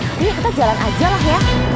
ini kita jalan aja lah ya